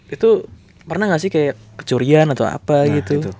itu pernah gak sih kayak kecurian atau apa gitu